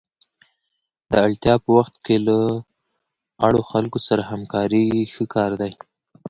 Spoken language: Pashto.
د اړتیا په وخت کې له اړو خلکو سره همکاري ښه کار دی.